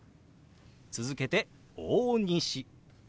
続けて「大西」。